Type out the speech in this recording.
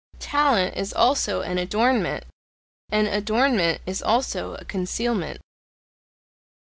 Talent is also an adornment; an adornment is also a concealment.